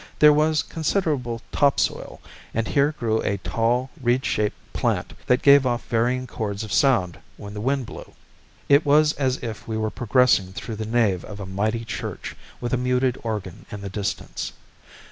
There was considerable top soil, and here grew a tall reed shaped plant that gave off varying chords of sound when the wind blew. It was as if we were progressing through the nave of a mighty church with a muted organ in the distance.